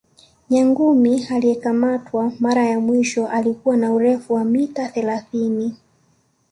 nyangumi aliyekamatwa mara ya mwisho alikuwa na urefu wa mita thelathini